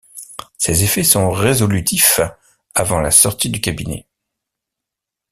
Ces effets sont résolutifs avant la sortie du cabinet.